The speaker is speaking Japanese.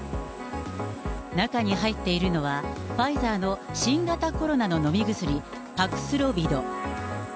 中に入っているのは、ファイザーの新型コロナの飲み薬、パクスロビド。